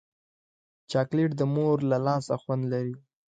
چاکلېټ د مور له لاسه خوند لري.